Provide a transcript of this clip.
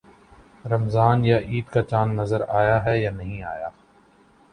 رمضان یا عید کا چاند نظر آیا ہے یا نہیں آیا